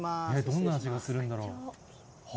どんな味がするんだろう。